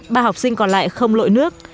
ba học sinh còn lại không lội nước